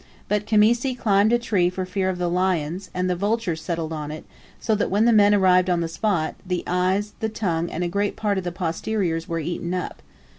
But Khamisi climbed a tree for fear of the lions, and the vultures settled on it, so that when the men arrived on the spot, the eyes, the tongue, and a great part of the posteriors were eaten up.